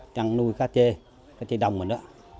trăn nuôi cá chê cá chê đông này đó